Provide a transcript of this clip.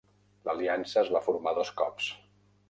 L"aliança es va formar dos cops.